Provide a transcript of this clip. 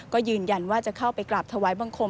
ก็ยืนยันว่าจะเข้าไปกราบถวายบังคม